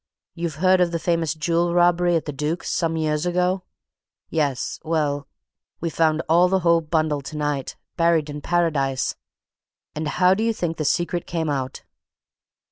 You've heard of the famous jewel robbery at the Duke's, some years ago? Yes? well, we've found all the whole bundle tonight buried in Paradise! And how do you think the secret came out?"